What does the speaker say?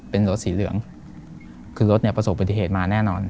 เป็นรถสีเหลืองคือรถเนี่ยประสบปฏิเหตุมาแน่นอน